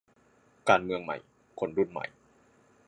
การเมืองใหม่คนรุ่นใหม่